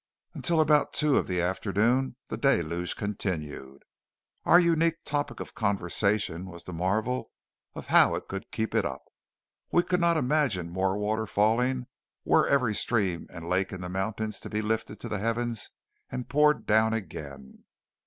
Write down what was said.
Until about two of the afternoon the deluge continued. Our unique topic of conversation was the marvel of how it could keep it up! We could not imagine more water falling were every stream and lake in the mountains to be lifted to the heavens and poured down again.